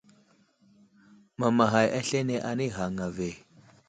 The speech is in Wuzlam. Mamaghay aslane anay ghaŋŋa ve.